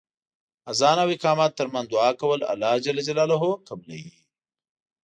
اذان او اقامت تر منځ دعا کول الله ج قبلوی .